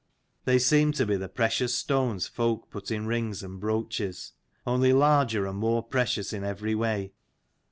They seemed to be the precious stones folk put in rings and brooches, only larger and more precious in every way.